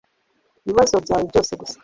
ibibazo byawe byose gusa '